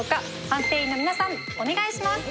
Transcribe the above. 判定員の皆さんお願いします！